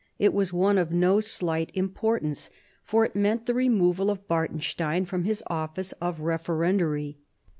It was one of no slight importance, for it meant the removal of Bartenstein from his office of Eef erendary.